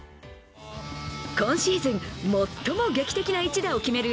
今シーズン最も劇的な一打を決める